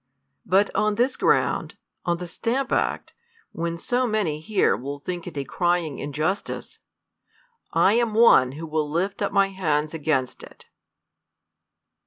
Buv ©n this ground, on the Stamp Act, when so many here will think it a crying injustice, I am one who will lift up my hands against it.